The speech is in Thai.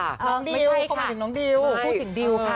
น้องดิวพูดถึงดิวค่ะ